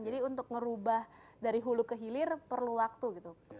jadi untuk merubah dari hulu ke hilir perlu waktu gitu